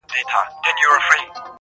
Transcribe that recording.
تا ويل له سره ماله تېره يم خو_